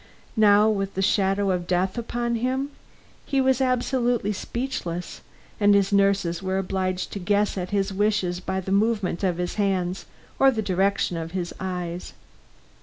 Now, with the shadow of death upon him, he was absolutely speechless, and his nurses were obliged to guess at his wishes by the movement of his hands or the direction of his eyes.